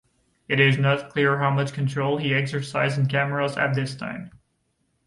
It is not clear how much control he exercised in Cameros at this time.